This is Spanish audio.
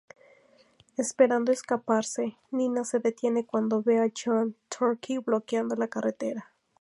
Esperando escaparse, Nina se detiene cuando ve a John Torque bloqueando la carretera.